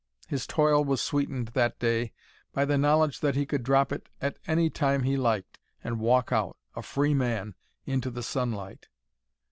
His toil was sweetened that day by the knowledge that he could drop it any time he liked and walk out, a free man, into the sunlight.